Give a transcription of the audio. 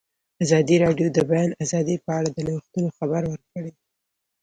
ازادي راډیو د د بیان آزادي په اړه د نوښتونو خبر ورکړی.